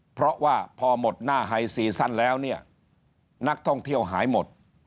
เพราะว่าพอหมดหน้าไฮซีซั่นแล้วเนี่ยนักท่องเที่ยวหายหมด